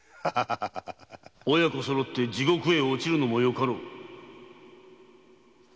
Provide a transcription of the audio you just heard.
・親子そろって地獄へ墮ちるのもよかろう！